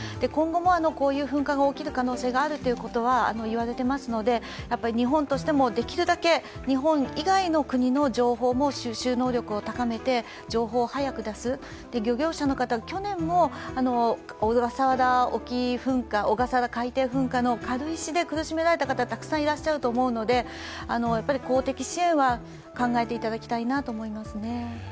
今後もこういう噴火が起きる可能性があるとはいわれてますので日本としてもできるだけ日本以外の国の情報の収集能力を高めて情報を早く出す、漁業者の方も、去年も、小笠原海底噴火の軽石で苦しめられた方がたくさんいると思うので、公的支援は考えていただきたいと思いますね。